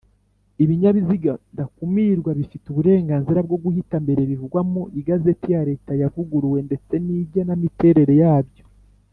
ibinyabiziga ndakumirwa bifite uburenganzira bwo guhita mbere bivugwa mu igazeti ya Leta yavuguruwe ndetse n’igena miterere yabyo.